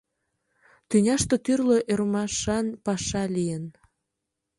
Тӱняште тӱрлӧ ӧрмашан паша лийын.